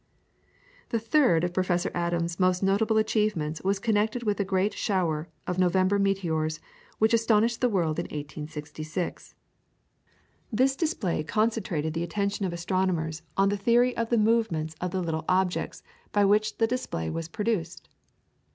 The third of Professor Adams' most notable achievements was connected with the great shower of November meteors which astonished the world in 1866. This splendid display concentrated the attention of astronomers on the theory of the movements of the little objects by which the display was produced.